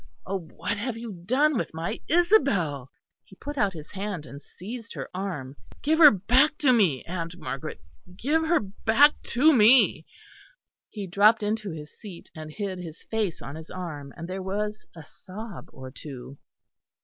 Oh, what have you done with my Isabel?" He put out his hand and seized her arm. "Give her back to me, Aunt Margaret; give her back to me." He dropped into his seat and hid his face on his arm; and there was a sob or two.